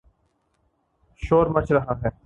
شور مچ رہا ہے۔